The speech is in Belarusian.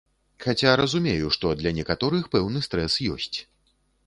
Хаця разумею, што для некаторых пэўны стрэс ёсць.